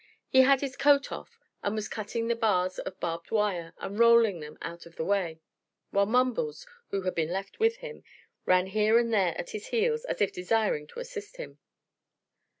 He had his coat off and was cutting the bars of barbed wire and rolling them out of the way, while Mumbles, who had been left with him, ran here and there at his heels as if desiring to assist him.